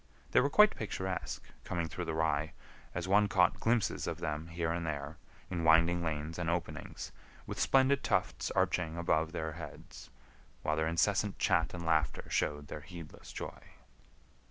They were quite picturesque, coming through the rye, as one caught glimpses of them here and there, in winding lanes and openings, with splendid tufts arching above their heads, while their incessant chat and laughter showed their heedless joy.